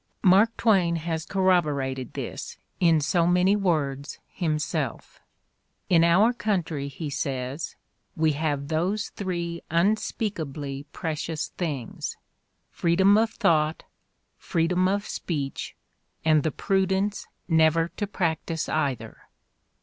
Mark Twain has corroborated this, in so many words, himself: "in our country," he says, "we have those three unspeakably precious things : freedom of thought, freedom of speech, and the prudence never to practise either."